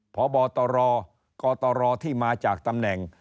พบตรกตรที่มาจากตำแหน่ง